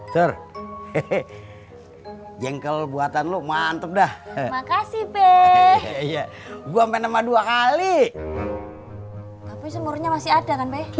ter tiga jengkel buatan lu mantep dah makasih be ya gua menemani dua kali tapi semuruhnya masih ada